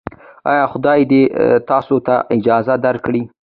ایا خدای دې تاسو ته اجر درکړي؟